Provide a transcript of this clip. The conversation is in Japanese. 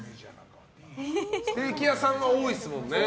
ステーキ屋さんは多いですもんね。